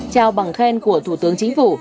trao bằng khen của thủ tướng chính phủ